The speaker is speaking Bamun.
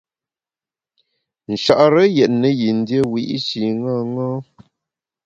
Nchare yètne yin dié wiyi’shi ṅaṅâ.